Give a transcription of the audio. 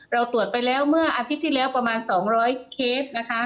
เราตรวจไปแล้วเมื่ออาทิตย์ที่แล้วประมาณ๒๐๐เคสนะคะ